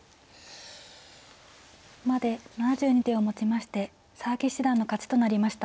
まで７２手をもちまして佐々木七段の勝ちとなりました。